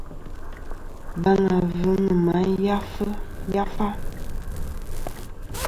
Baŋ avɨ nɨ ma yafa.